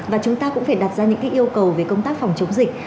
và chúng ta cũng phải đặt ra những yêu cầu về công tác phòng chống dịch